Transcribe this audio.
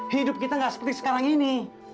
hidup kita gak seperti sekarang ini